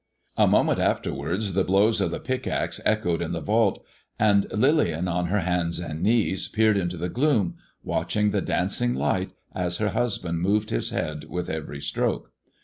A moment afterwards the blows of the pickaxe echoed in the vault, and Lillian on her hands and knees peered into the gloom, watching the dancing light, as her husband moved his head with every stroke.